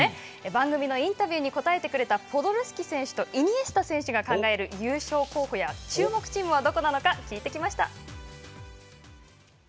番組のインタビューに答えてくれたポドルスキ選手とイニエスタ選手が考える優勝候補や注目チームはどこなのか聞いてきました。